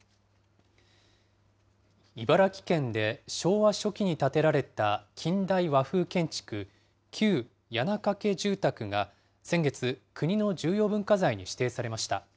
茨城県で昭和初期に建てられた近代和風建築、旧矢中家住宅が先月、国の重要文化財に指定されました。